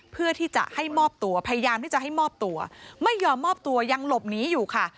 เพื่อที่จะให้มอบตัวพยายามที่จะให้มอบตัวไม่ยอมมอบตัวยังหลบหนีอยู่ค่ะ